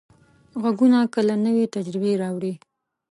غږونه کله نوې تجربې راوړي.